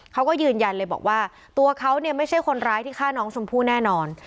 เขาก็ยืนยันเลยบอกว่าตัวเขาเนี่ยไม่ใช่คนร้ายที่ฆ่าน้องชมพู่แน่นอน